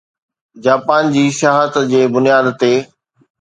Japan جي سياحت جي بنياد تي